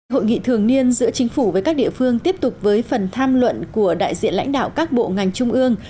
hội nghị thường niên giữa chính phủ với các địa phương tiếp tục với phần tham luận của đại diện lãnh đạo các bộ ngành trung ương